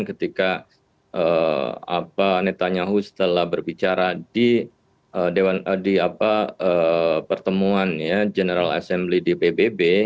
ketika netanyahu setelah berbicara di pertemuan general assembly di pbb